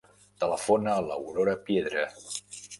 Telefona a l'Aurora Piedra.